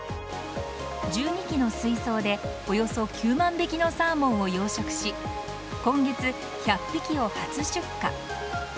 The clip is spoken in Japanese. １２基の水槽でおよそ９万匹のサーモンを養殖し今月、１００匹を初出荷。